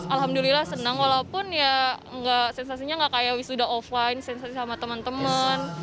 alhamdulillah senang walaupun ya sensasinya nggak kayak wisuda offline sensasi sama teman teman